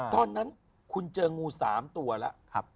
ตอนนั้นคุณเจองู๓ตัวแล้ว